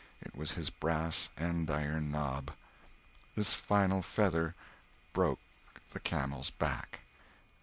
It was his brass andiron knob! This final feather broke the camel's back.